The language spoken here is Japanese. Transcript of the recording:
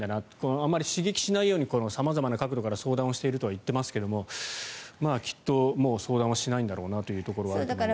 あまり刺激をしないように様々な角度から相談しているとは言っていますがきっと、もう相談はしないんだろうなというところがありますね。